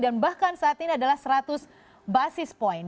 dan bahkan saat ini adalah seratus basis point